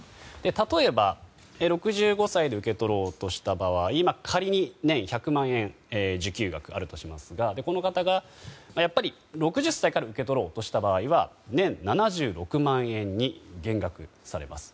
例えば６５歳で受け取ろうとした場合仮に年１００万円受給額があるとしますがこの方が６０歳から受け取ろうとした場合年７６万円に減額されます。